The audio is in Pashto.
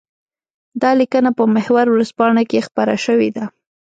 دا ليکنه په محور ورځپاڼه کې خپره شوې ده.